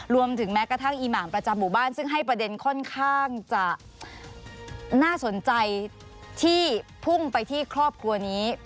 รวมถึงแม้กระทั่งอีหมางประจำหมู่บ้านซึ่งให้ประเด็นค่อนข้างจะน่าสนใจที่พุ่งไปที่ครอบครัวนี้